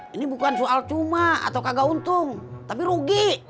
ini bukan soal cuma atau kagak untung tapi rugi